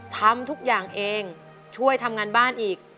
ทำทุกอย่างเองช่วยทำงานบ้านอีก